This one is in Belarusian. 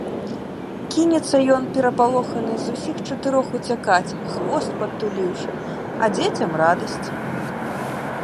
Кінецца ён, перапалоханы, з усіх чатырох уцякаць, хвост падтуліўшы, а дзецям радасць.